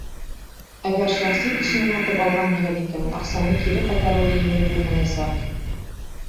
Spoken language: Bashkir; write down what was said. Әгәр шәхси кешенән һатып алғанһығыҙ икән, аҡсаны кире ҡайтарыуы еңел булмаясаҡ.